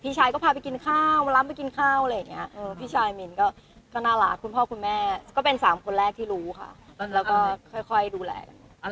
ชายก็พาไปกินข้าวเวลาไปกินข้าวอะไรอย่างนี้พี่ชายมินก็น่ารักคุณพ่อคุณแม่ก็เป็นสามคนแรกที่รู้ค่ะแล้วก็ค่อยดูแลกัน